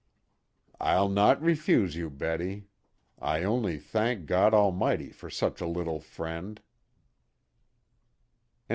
"I'll not refuse you, Betty. I only thank God Almighty for such a little friend."